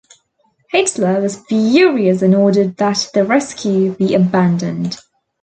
Hitler was furious and ordered that the rescue be abandoned.